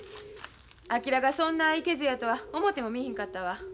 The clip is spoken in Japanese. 昭がそんないけずやとは思ってもみいひんかったわ。